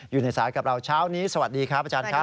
อยู่ในสายกับเราเช้านี้สวัสดีครับอาจารย์ครับ